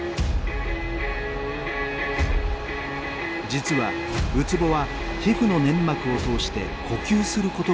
実はウツボは皮膚の粘膜を通して呼吸することができます。